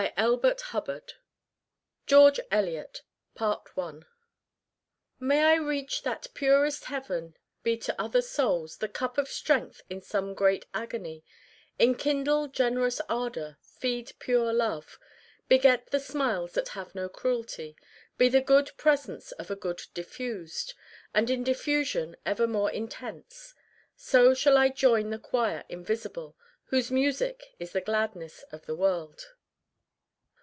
EDISON 319 GEORGE ELIOT "May I reach That purest heaven, be to other souls The cup of strength in some great agony, Enkindle generous ardor, feed pure love, Beget the smiles that have no cruelty Be the good presence of a good diffused, And in diffusion ever more intense. So shall I join the choir invisible Whose music is the gladness of the world."